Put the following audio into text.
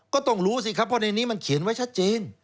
ก็ต้องรู้สิครับเพราะในนี้มันเขียนไว้ชัดเจน